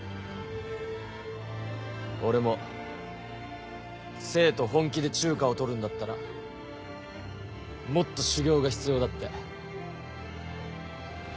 俺も政と本気で中華を取るんだったらもっと修業が必要だって。